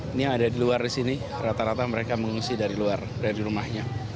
ini yang ada di luar di sini rata rata mereka mengungsi dari luar dari rumahnya